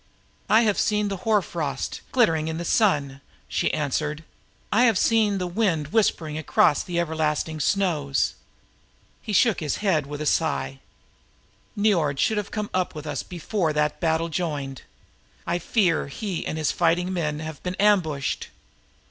"I have seen the hoar frost glittering in the sun," she answered. "I have heard the wind whispering across the everlasting snows." He shook his head. "Niord should have come up with us before the battle joined. I fear he and his warriors have been ambushed.